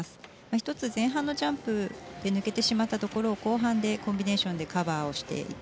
１つ、前半のジャンプで抜けてしまったところを後半でコンビネーションでカバーをしていく。